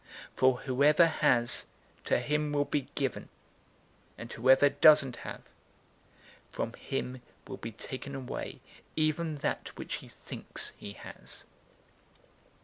For whoever has, to him will be given; and whoever doesn't have, from him will be taken away even that which he thinks he has."